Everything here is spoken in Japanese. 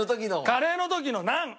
カレーの時のナン！